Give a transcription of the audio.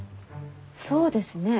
そうですね。